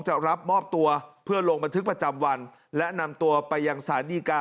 จะรับมอบตัวเพื่อลงบันทึกประจำวันและนำตัวไปยังศาลดีกา